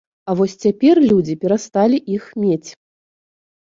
А вось цяпер людзі перасталі іх мець.